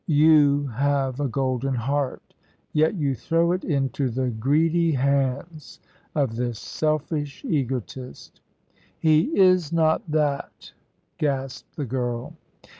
You have a golden heart, yet you throw it into the greedy hands of this selfish egotist " "He is not that," gasped the girl.